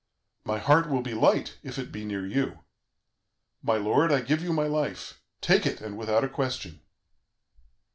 My heart will be light if it be near you. My lord, I give you my life. Take it, and without a question.'